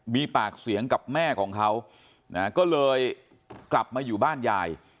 มีปากเสียงกับแม่ของเขานะก็เลยกลับมาอยู่บ้านยาย